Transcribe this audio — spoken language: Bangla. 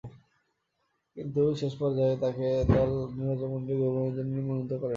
কিন্তু, শেষ পর্যায়ে তাকে দল নির্বাচকমণ্ডলী ভ্রমণের জন্যে মনোনীত করেনি।